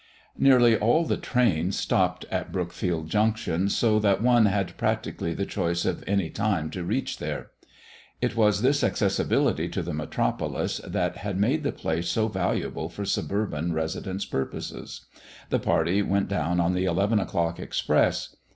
Nearly all the trains stopped at Brookfield Junction, so that one had practically the choice of any time to reach there. It was this accessibility to the metropolis that made the place so valuable for suburban residence purposes. The party went down on the eleven o'clock express.